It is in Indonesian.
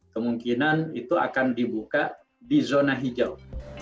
kemungkinan itu akan dibuka di zona hijau